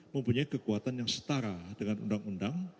mempunyai kekuatan yang setara dengan undang undang